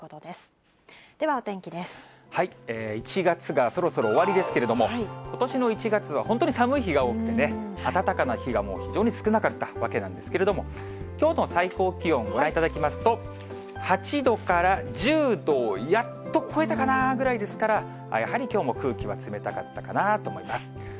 １月がそろそろ終わりですけれども、ことしの１月は本当に寒い日が多くてね、暖かな日がもう非常に少なかったわけなんですけども、きょうの最高気温ご覧いただきますと、８度から１０度をやっと超えたかなぐらいですから、やはりきょうも空気は冷たかったかなと思います。